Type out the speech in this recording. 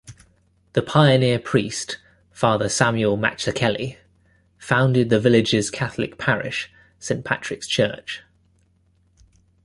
The pioneer priest Father Samuel Mazzuchelli founded the village's Catholic parish, Saint Patrick's Church.